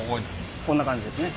こんな感じですね。